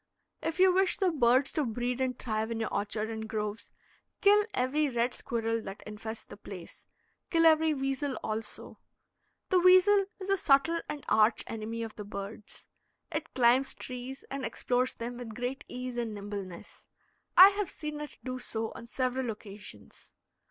If you wish the birds to breed and thrive in your orchard and groves, kill every red squirrel that infests the place; kill every weasel also. The weasel is a subtle and arch enemy of the birds. It climbs trees and explores them with great ease and nimbleness. I have seen it do so on several occasions.